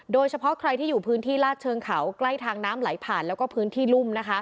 โดยเฉพาะใครที่อยู่พื้นที่ลาดเชิงเขาใกล้ทางน้ำไหลผ่านแล้วก็พื้นที่รุ่ม